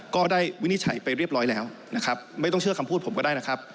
วินิจฉัยไปเรียบร้อยแล้วนะครับไม่ต้องเชื่อคำพูดผมก็ได้นะครับ